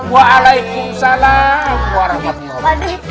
waalaikumsalam warahmatullahi wabarakatuh